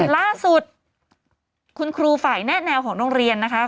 ล่าสุดคุณครูฝ่ายแนะแนวของโรงเรียนนะคะ